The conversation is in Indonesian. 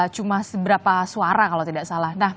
cuma seberapa suara kalau tidak salah